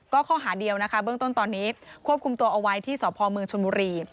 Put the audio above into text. ข้อหาเดียวนะคะเบื้องต้นตอนนี้ควบคุมตัวเอาไว้ที่สพเมืองชนบุรี